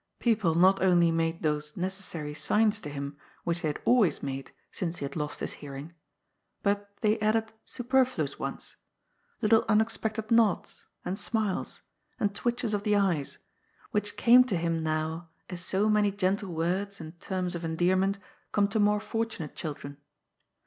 People not only made those necessary signs to him, which they had always made since he had lost his hearing, but they added superfiuous ones — ^little un expected nods, and smiles, and twitches of the eyes, which came to him now as so many gentle words and terms of endearment come to more fortunate children.